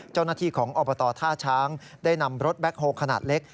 เจ้าหน้าที่ของอบตท่าช้างได้นำรถแบ็คโฮลขนาดเล็ก